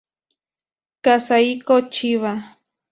Kazuhiko Chiba